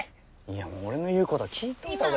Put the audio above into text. いやもう俺の言うことは聞いといた方がいいって。